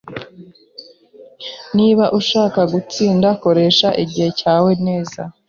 Niba ushaka gutsinda, koresha igihe cyawe neza.